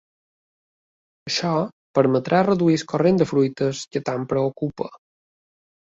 Això permetrà reduir el corrent de fuites que tant preocupa.